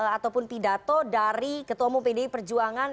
ataupun pidato dari ketua mumpedi perjuangan